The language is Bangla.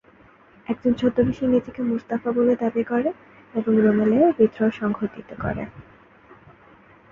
একজন ছদ্মবেশী নিজেকে মুস্তাফা বলে দাবি করে এবং রুমেলিয়ায় বিদ্রোহ সংঘটিত করে।